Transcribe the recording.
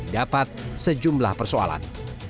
dapat sejumlah persoalan